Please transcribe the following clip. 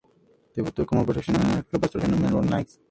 Debutó como profesional en el club australiano Melbourne Knights.